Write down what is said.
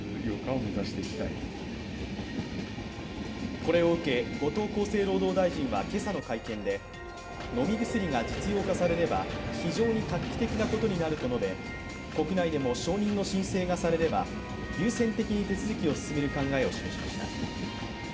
これを受け、後藤厚生労働大臣は今朝の会見で飲み薬が実用化されれば非常に画期的なことになると述べ、国内でも承認の申請がされれば優先的に手続を進める考えを明らかにしました。